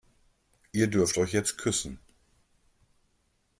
Ihr dürft euch jetzt küssen.